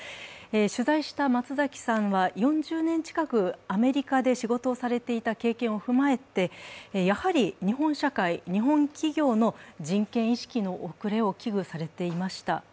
取材した松崎さんは４０年近く、アメリカで仕事をされていた経験を踏まえて、やはり日本社会、日本企業の人権意識の遅れを危惧されていました。